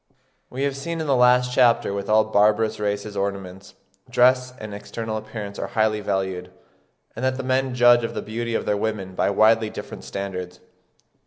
We have seen in the last chapter that with all barbarous races ornaments, dress, and external appearance are highly valued; and that the men judge of the beauty of their women by widely different standards.